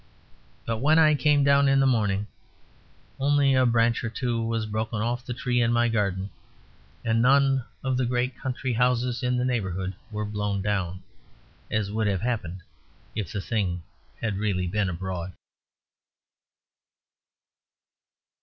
But when I came down in the morning only a branch or two was broken off the tree in my garden; and none of the great country houses in the neighbourhood were blown down, as would have happened if the Thing had really been abroad.